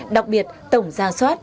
đặc biệt tổng ra soát